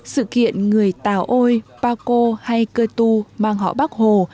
sự kiện người tàu ôi bác hồ hay cơ tu mang họ bác hồ